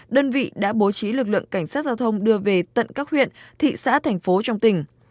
đơn vị đã bố trí lực lượng cảnh sát giao thông đưa về tận các huyện thị xã thành phố trong tỉnh